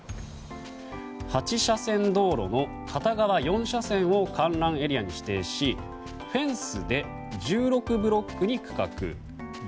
８車線道路の片側４車線を観覧エリアにしフェンスで１６ブロックに区画。